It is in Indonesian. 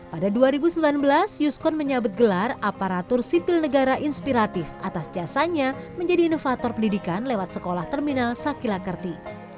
pada dua ribu sembilan belas yuskon menyabet gelar aparatur sipil negara inspiratif atas jasanya menjadi inovator pendidikan lewat sekolah terminal sakila kerti